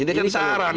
ini kan saran